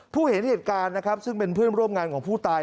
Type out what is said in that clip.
เห็นเหตุการณ์นะครับซึ่งเป็นเพื่อนร่วมงานของผู้ตาย